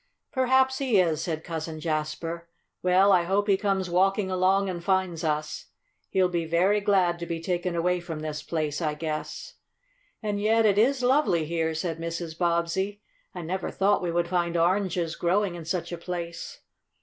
"Perhaps he is," said Cousin Jasper. "Well, I hope he comes walking along and finds us. He'll be very glad to be taken away from this place, I guess." "And yet it is lovely here," said Mrs. Bobbsey. "I never thought we would find oranges growing in such a place."